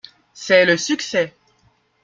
C’est le succès.